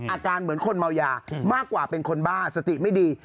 อาการเหมือนคนเมายามากกว่าเป็นคนบ้าสติไม่ดี